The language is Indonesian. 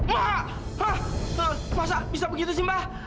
wah masa bisa begitu sih mbak